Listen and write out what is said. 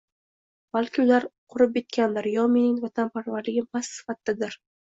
balki, ular qurib bitgandir yo mening vatanparvarligim “past sifatda”dir.